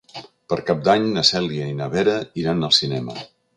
Per Cap d'Any na Cèlia i na Vera iran al cinema.